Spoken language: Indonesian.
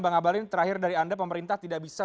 bang abalin terakhir dari anda pemerintah tidak bisa